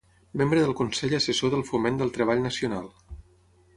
Membre del Consell Assessor del Foment del Treball Nacional.